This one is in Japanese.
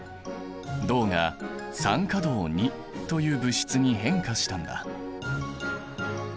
銅が酸化銅という物質に変化したんだ。